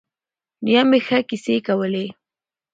نیا مې ښه کیسې کولې.